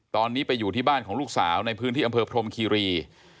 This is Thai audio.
ตอนนี้ไปอยู่ที่บ้านของลูกสาวในพื้นที่อำเภอพรมคีรี